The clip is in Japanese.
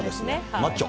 マッチョ。